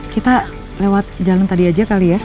kita lewat jalan tadi aja kali ya